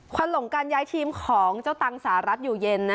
ควรหลงการย้ายทีมของเจ้าตังค์สหรัฐยุเยน